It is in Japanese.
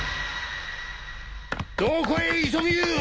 どこへ急ぎゆう！